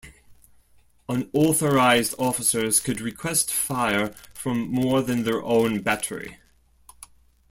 Unauthorised officers could request fire from more than their own battery.